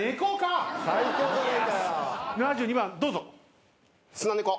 ７２番どうぞ！